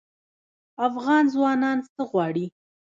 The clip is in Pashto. افغان ځوانان څه غواړي؟